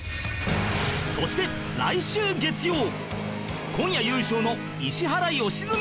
そして来週月曜今夜優勝の石原良純さんが。